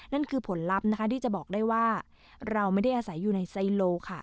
นั่นคือผลลัพธ์นะคะที่จะบอกได้ว่าเราไม่ได้อาศัยอยู่ในไซโลค่ะ